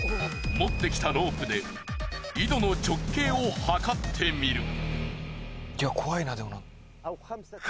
持ってきたロープで井戸の深さを測ってみると。